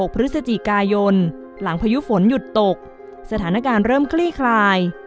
พฤศจิกายนหลังพายุฝนหยุดตกสถานการณ์เริ่มคลี่คลาย